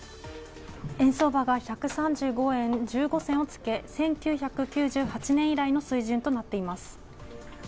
円相場が１３５円１５銭をつけ、１９９８年以来の水準となっています。